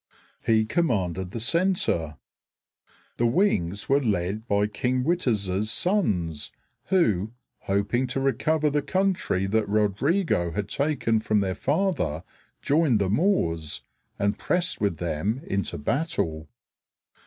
He commanded the center. The wings were led by King Witiza's sons, who, hoping to recover the country that Rodrigo had taken from their father, joined the Moors, and pressed with them into battle.